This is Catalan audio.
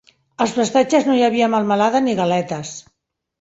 Als prestatges no hi havia melmelada ni galetes.